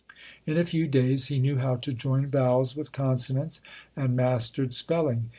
In a few days he knew how to join vowels with consonants and mastered spelling.